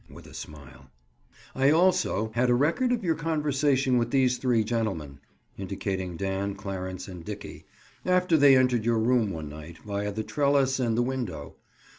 With a smile. "I, also, had a record of your conversation with these three gentlemen"—indicating Dan, Clarence and Dickie—"after they entered your room one night, via the trellis and the window.